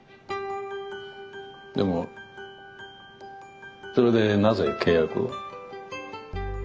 でもそれでなぜ契約を？